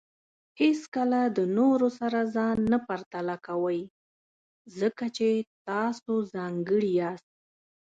هیڅکله د نورو سره ځان نه پرتله کوئ، ځکه چې تاسو ځانګړي یاست.